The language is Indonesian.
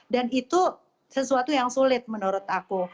dan itu sesuatu yang sulit menurut aku